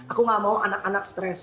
aku nggak mau anak anak stress